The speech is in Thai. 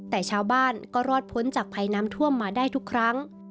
แต่ชาวบ้านก็รอดพ้นจากภัยน้ำท่วมมาได้ทุกครั้ง